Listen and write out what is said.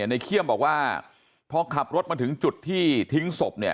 เขี้ยมบอกว่าพอขับรถมาถึงจุดที่ทิ้งศพเนี่ย